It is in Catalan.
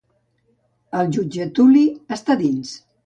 El jutge Tully està dins.